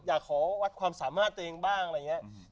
อยากขอวัดความสามารถตัวเองบ้างอะไรอย่างนี้